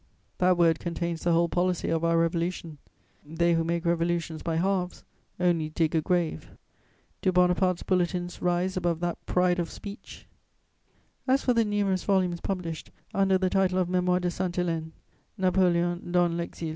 That word contains the whole policy of our Revolution; they who make revolutions by halves only dig a grave. Do Bonaparte's bulletins rise above that pride of speech? [Sidenote: Napoleon as writer.] As for the numerous volumes published under the title of _Mémoires de Sainte Hélène, Napoléon dans l'exil.